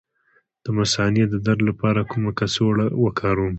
د مثانې د درد لپاره کومه کڅوړه وکاروم؟